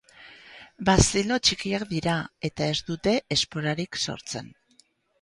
Bazilo txikiak dira eta ez dute esporarik sortzen.